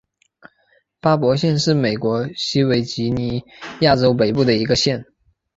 巴伯县是美国西维吉尼亚州北部的一个县。